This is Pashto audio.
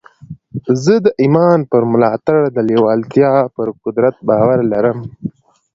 زه د ايمان پر ملاتړ د لېوالتیا پر قدرت باور لرم.